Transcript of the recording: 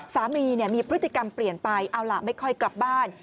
สามีมีพฤติกรรมเปลี่ยนไปเอาล่ะไม่ค่อยกลับบ้าน